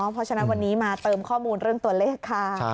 เพราะฉะนั้นวันนี้มาเติมข้อมูลเรื่องตัวเลขค่ะ